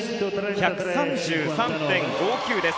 １３３．５９です。